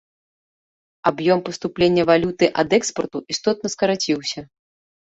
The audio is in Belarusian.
Аб'ём паступлення валюты ад экспарту істотна скараціўся.